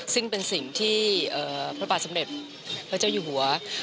ซึ่งเป็นสิ่งที่พระบาทสมเด็จพระเจ้าอยู่หัว